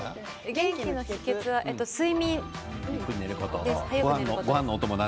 元気の秘けつは睡眠。